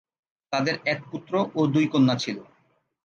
তাদের এক পুত্র ও দুই কন্যা ছিল।